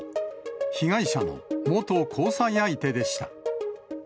被害者の元交際相手でした。